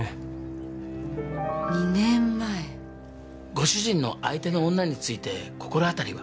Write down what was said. ご主人の相手の女について心当たりは？